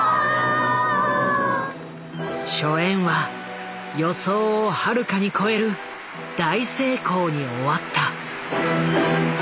初演は予想をはるかに超える大成功に終わった。